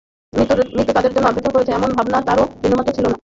মৃত্যু তাদের জন্য অপেক্ষা করছে, এমন ভাবনা কারও বিন্দুমাত্র ছিল না।